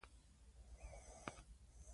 هغه د اسرائیلو لومړي وزیر ولید.